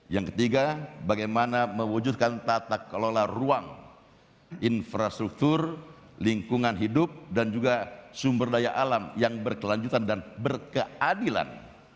yang ketiga bagaimana mewujudkan tata kelola ruang infrastruktur lingkungan hidup dan juga sumber daya alam yang berkelanjutan dan berkeadilan